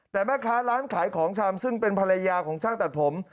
แต่แม่ค้าร้านขายของชำซึ่งเป็นภรรยาของช่างตัดผม